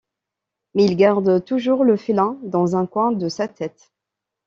Mais il garde toujours le félin dans un coin de sa tête.